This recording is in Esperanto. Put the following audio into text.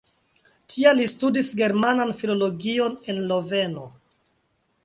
Tial li studis Germanan filologion en Loveno.